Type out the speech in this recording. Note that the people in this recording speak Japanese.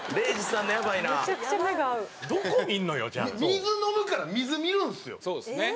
水飲むから水見るんですよ。